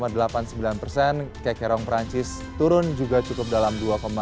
dan kek herong perancis turun juga cukup dalam